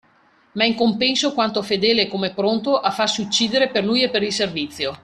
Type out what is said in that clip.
Ma in compenso quanto fedele e come pronto a farsi uccidere per lui e per il servizio.